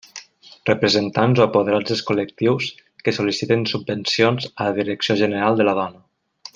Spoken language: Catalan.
Representants o apoderats dels col·lectius que sol·liciten subvencions a la Direcció General de la Dona.